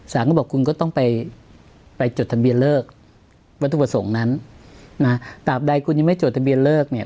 เขาบอกคุณก็ต้องไปไปจดทะเบียนเลิกวัตถุประสงค์นั้นนะตามใดคุณยังไม่จดทะเบียนเลิกเนี่ย